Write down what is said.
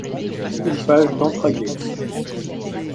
Un page d’Entraguet.